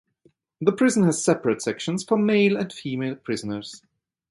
The prison has separate sections for male and female prisoners.